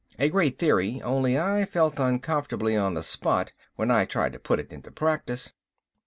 A great theory, only I felt uncomfortably on the spot when I tried to put it into practice.